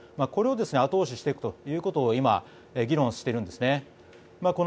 これを後押ししていくということを議論しているんですね。